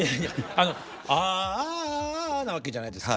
あの「ああああ」なわけじゃないですか。